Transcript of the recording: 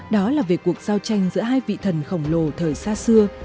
đó là về cuộc giao tranh giữa hai vị thần khổng lồ thời xa xưa